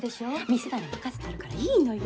店なら任せてあるからいいのよ！